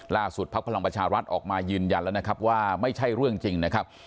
ภักดิ์พลังประชารัฐออกมายืนยันแล้วนะครับว่าไม่ใช่เรื่องจริงนะครับ